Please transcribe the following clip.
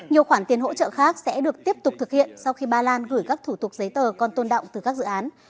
nhiều khoản tiền hỗ trợ khác sẽ được tiếp tục thực hiện sau khi ba lan gửi các thủ tục giấy tờ còn tôn đọng từ các dự án